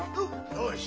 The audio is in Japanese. よし。